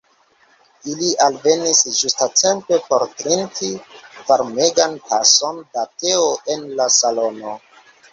Ili alvenis ĝustatempe por trinki varmegan tason da teo en la salono.